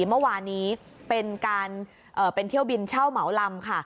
เมื่อวานนี้เป็นการเป็นเที่ยวบินเช่าเหมาลำค่ะ